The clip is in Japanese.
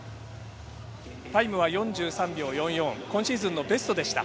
タイムは４３秒４４、今シーズンのベストでした。